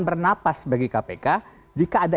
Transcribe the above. bernapas bagi kpk jika ada